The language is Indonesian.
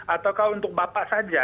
atau kau untuk bapak saja